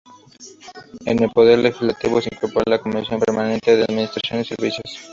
En el Poder Legislativo se incorporó en la Comisión Permanente de Administración y Servicios.